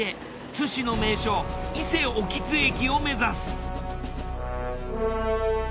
津市の名所伊勢奥津駅を目指す。